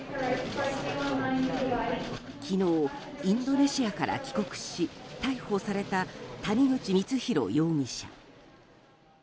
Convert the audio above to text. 昨日、インドネシアから帰国し逮捕された谷口光弘容疑者。